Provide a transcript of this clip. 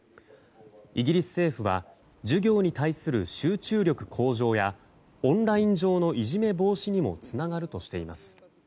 イギリス政府は授業に対する集中力向上やオンライン上のいじめ防止にもつながるとしています。